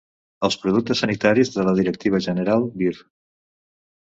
Els productes sanitaris de la directiva general dir.